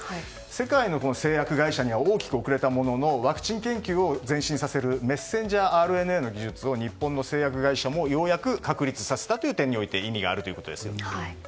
世界の製薬会社には大きく遅れたもののワクチン研究を前進させるメッセンジャーＲＮＡの技術を日本の製薬会社もようやく確立させたという点において意味があるということです。